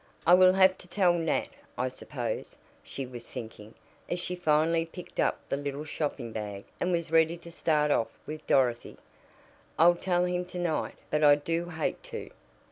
"I will have to tell Nat, I suppose," she was thinking, as she finally picked up the little shopping bag and was ready to start off with Dorothy. "I'll tell him to night but I do hate to.